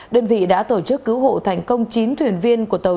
đơn vị đã tổ chức cứu hộ thành công chín thuyền viên của tàu